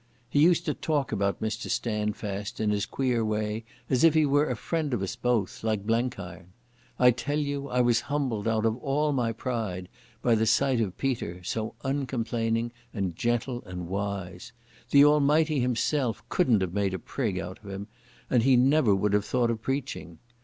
He used to talk about Mr Standfast in his queer way as if he were a friend of us both, like Blenkiron.... I tell you I was humbled out of all my pride by the sight of Peter, so uncomplaining and gentle and wise. The Almighty Himself couldn't have made a prig out of him, and he never would have thought of preaching.